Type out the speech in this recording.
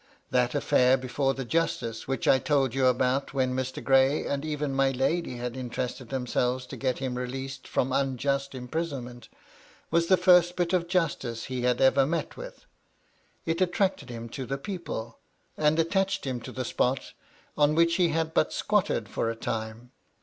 That aflFair before the justice, which I told you about, when Mr. Gray and even my lady had interested themselves to get him released from unjust imprisonment, was the first bit of justice he had ever met with ; it attracted him to the people, and attached him to the spot on which he had but squatted for a time.